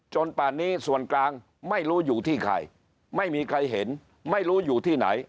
ป่านนี้ส่วนกลางไม่รู้อยู่ที่ใครไม่มีใครเห็นไม่รู้อยู่ที่ไหน